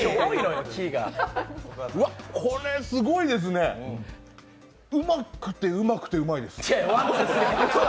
うわっ、これすごいですね、うまくて、うまくて、うまいです。